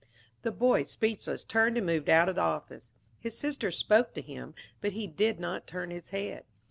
The boy, speechless, turned and moved out of the office. His sister spoke to him, but he did not turn his head.